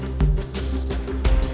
aku mau pulang dulu ya mas